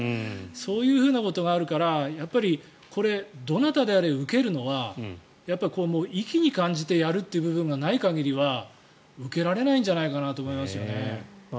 そういうことがあるからこれ、どなたであれ受けるのはやっぱり、粋に感じてやるという部分がない限りは受けられないんじゃないかなと思いますよね。